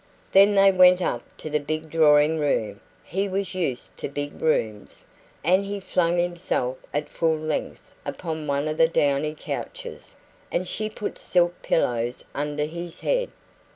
Then they went up to the big drawing room he was used to big rooms and he flung himself at full length upon one of the downy couches, and she put silk pillows under his head.